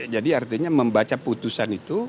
jadi artinya membaca putusan itu